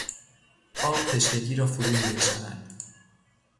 آب تشنگی را فرو مینشاند.